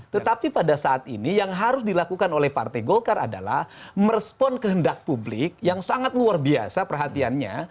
tetapi pada saat ini yang harus dilakukan oleh partai golkar adalah merespon kehendak publik yang sangat luar biasa perhatiannya